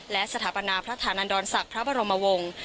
และสถาปนาพระฐานันดรศักดิ์พระบรมวงศ์